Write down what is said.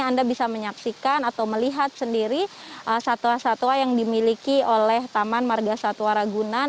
anda bisa menyaksikan atau melihat sendiri satwa satwa yang dimiliki oleh taman marga satwa ragunan